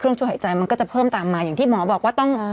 เพื่อไม่ให้เชื้อมันกระจายหรือว่าขยายตัวเพิ่มมากขึ้น